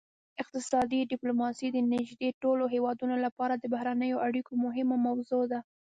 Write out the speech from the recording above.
اقتصادي ډیپلوماسي د نږدې ټولو هیوادونو لپاره د بهرنیو اړیکو مهمه موضوع ده